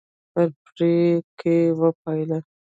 په پړي کې وپېله.